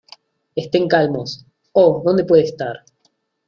¡ Estén calmos! ¿ oh, dónde puede estar?